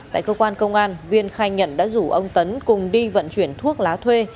tại cơ quan công an viên khai nhận đã rủ ông tấn cùng đi vận chuyển thuốc lá thuê